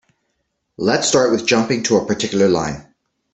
Let's start with jumping to a particular line.